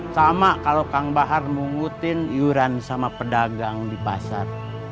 sama kalau kang bahar mungutin iuran sama pedagang di pasar